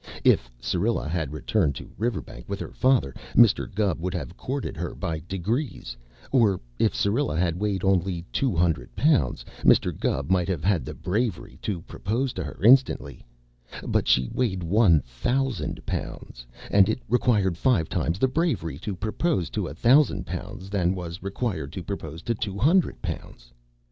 If Syrilla had returned to Riverbank with her father, Mr. Gubb would have courted her by degrees, or if Syrilla had weighed only two hundred pounds, Mr. Gubb might have had the bravery to propose to her instantly, but she weighed one thousand pounds, and it required five times the bravery to propose to a thousand pounds that was required to propose to two hundred pounds.